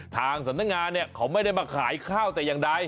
ทางสำนักงานเนี่ยเขาไม่ได้มาขายข้าวแต่อย่างใด